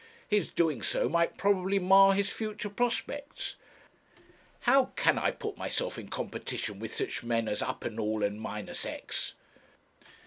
His doing so might probably mar his future prospects. How can I put myself in competition with such men as Uppinall and Minuses?'